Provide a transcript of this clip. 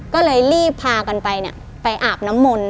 ก็เลยรีบพากันไปไปอาบน้ำมนต์